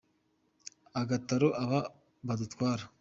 Igatora aba badutwara